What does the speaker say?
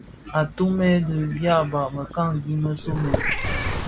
Atum bi dyaba mëkangi më somèn.